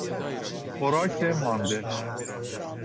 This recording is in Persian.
خوراک مانده